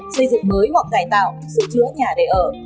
xây dựng mới hoặc cải tạo sửa chữa nhà để ở